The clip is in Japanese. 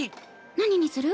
何にする？